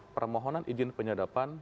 permohonan izin penyedapan